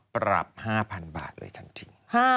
พรุ่งนี้